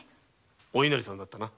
お稲荷さんだったな。